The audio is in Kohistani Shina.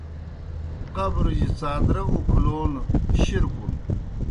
قبرُجیْ څادرہ اُکھلون شِرکُن۔